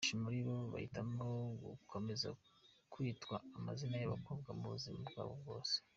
Abenshi muri bo bahitamo gukomeza kwitwa amazina y’abakobwa mu buzima bwabo bwose.